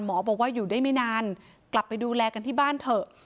บอกว่าอยู่ได้ไม่นานกลับไปดูแลกันที่บ้านเถอะ